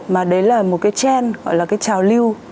mà đấy là một cái trend gọi là cái trào lưu